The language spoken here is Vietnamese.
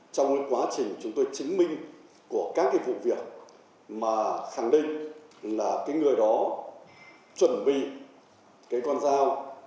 trong quá trình chúng tôi chứng minh của các cái vụ việc mà khẳng định là cái người đó chuẩn bị cái con dao